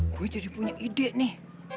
gue jadi punya ide nih